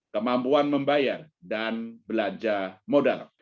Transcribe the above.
kemampuan membayar dan belanja modal